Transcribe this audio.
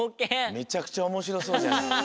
めちゃくちゃおもしろそうじゃない。